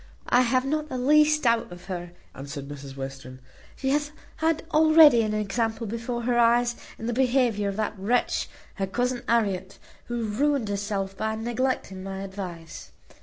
"I have not the least doubt of her," answered Mrs Western. "She hath had already an example before her eyes in the behaviour of that wretch her cousin Harriet, who ruined herself by neglecting my advice.